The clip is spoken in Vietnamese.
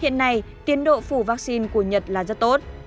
hiện nay tiến độ phủ vaccine của nhật là rất tốt